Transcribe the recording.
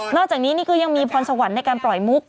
จากนี้นี่ก็ยังมีพรสวรรค์ในการปล่อยมุก